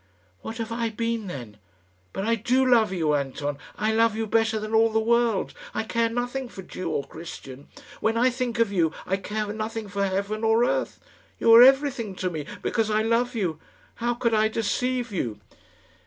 "What have I been then? But I do love you, Anton I love you better than all the world. I care nothing for Jew or Christian. When I think of you, I care nothing for heaven or earth. You are everything to me, because I love you. How could I deceive you?"